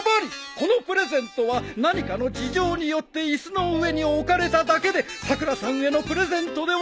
このプレゼントは何かの事情によって椅子の上に置かれただけでさくらさんへのプレゼントではない！